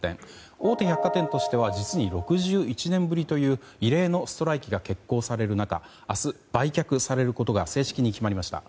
大手百貨店としては実に６１年ぶりという異例のストライキが決行される中明日、売却されることが正式に決まりました。